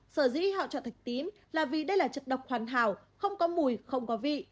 sở dĩ họ chọn thạch tím là vì đây là chất độc hoàn hảo không có mùi không có vị